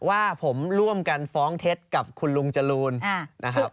ว่าผมร่วมกันฟ้องเท็จกับคุณลุงจรูนนะครับ